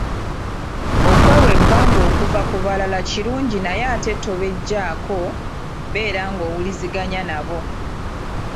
Okwewa ebbanga okuva ku balala kirungi naye ate tobeggyaako, beera ng’owuliziganya nabo.